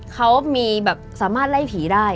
เขามีแบบสามารถไล่ผีได้